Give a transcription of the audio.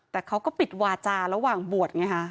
แต่เขาก็ปิดวาจาระหว่างบวชไงฮะ